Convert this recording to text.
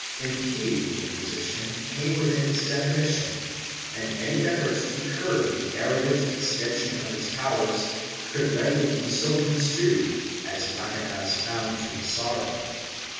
Impeding the Inquisition came within its definition and any effort to curb the arrogant extension of its powers could readily be so construed, as Macanaz found to his sorrow.